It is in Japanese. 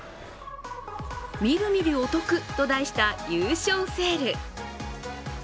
ミルミルお得と題した優勝セール。